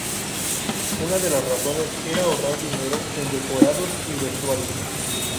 Una de las razones era ahorrar dinero en decorados y vestuario.